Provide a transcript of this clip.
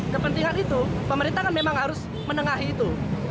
kepentingan itu pemerintah kan memang harus menanggung